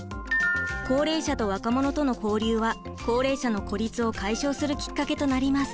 高齢者と若者との交流は高齢者の孤立を解消するきっかけとなります。